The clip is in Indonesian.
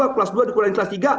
kelas dua di kelas tiga